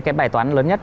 cái bài toán lớn nhất